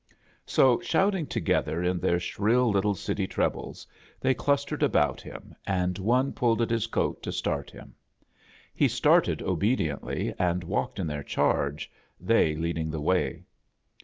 So, shout ins togethei in their shrill little city trebles, they clustered about him, and one pulled at his coat to start htm. He started obe dieotly, and walked in their chai^e» thi leading the way.